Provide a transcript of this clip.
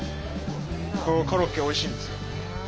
ここコロッケおいしいんですよ。